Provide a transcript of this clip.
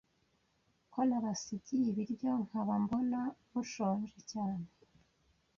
ko nabasigiye ibiryo nkaba mbona mushonje cyane